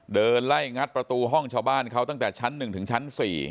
เดินไล่งัดประตูห้องชาวบ้านเขาตั้งแต่ชั้น๑ถึงชั้น๔